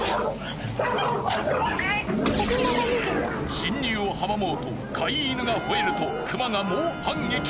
侵入を阻もうと飼い犬が吠えると熊が猛反撃！